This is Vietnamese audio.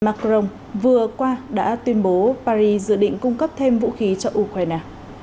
macron vừa qua đã tuyên bố paris dự định cung cấp thêm vũ khí cho ukraine